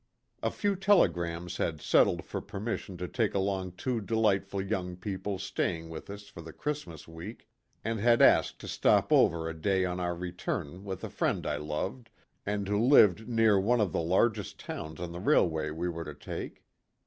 A few telegrams had settled for permission to take along two delightful young people staying with us for the Christmas week, and had asked to stop over a day on our return 75 76 PLAY AND WORK. with a friend I loved, and who lived near one of the largest towns on the railway we were to take.